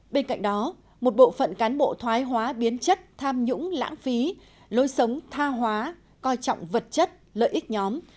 bên cạnh đó một bộ phận cán bộ thoái hóa biến chất tham nhũng lãng phí lối sống tha hóa coi trọng vật chất lợi ích nhóm